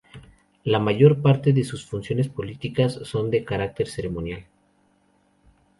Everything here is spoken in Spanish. La mayor parte de sus funciones políticas son de carácter ceremonial.